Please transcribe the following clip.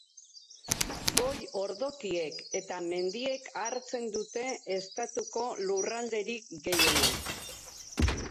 Goi-ordokiek eta mendiek hartzen dute estatuko lurralderik gehiena.